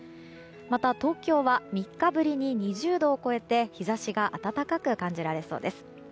また、東京は３日ぶりに２０度を超えて日差しが暖かく感じられそうです。